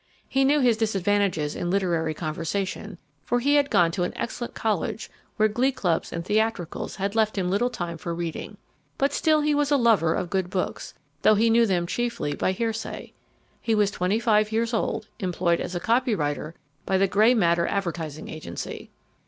He knew his disadvantages in literary conversation, for he had gone to an excellent college where glee clubs and theatricals had left him little time for reading. But still he was a lover of good books, though he knew them chiefly by hearsay. He was twenty five years old, employed as a copywriter by the Grey Matter Advertising Agency.